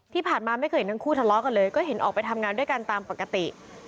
ที่ผ่านมาไม่เคยเห็นทั้งคู่ทะเลาะกันเลยก็เห็นออกไปทำงานด้วยกันตามปกติ